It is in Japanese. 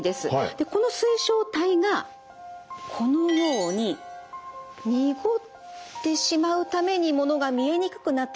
この水晶体がこのように濁ってしまうためにものが見えにくくなってしまう。